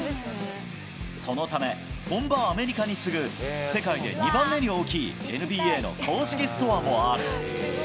そのため、本場アメリカに次ぐ世界で２番目に大きいＮＢＡの公式ストアもある。